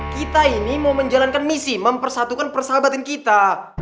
kita ini mau menjalankan misi mempersatukan persahabatan kita